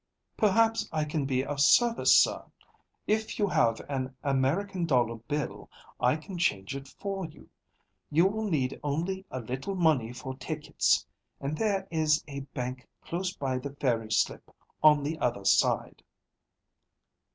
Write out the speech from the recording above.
"Perhaps I can be of service, sir? If you have an American dollar bill, I can change it for you. You will need only a little money for tickets, and there is a bank close by the ferry slip on the other side."